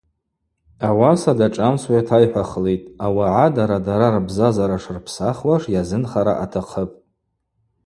Ауаса дашӏамсуа йатайхӏвахлитӏ: ауагӏа дара-дара рбзазара шырпсахуаш йазынхара атахъыпӏ.